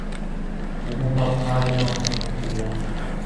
Биздин класска жаңы окуучу келген.